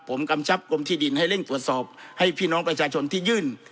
ผมกำชับกรมที่ดินให้เร่งตรวจสอบให้พี่น้องประชาชนที่ยื่น